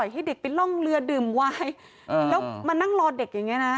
ให้เด็กไปล่องเรือดื่มวายแล้วมานั่งรอเด็กอย่างนี้นะ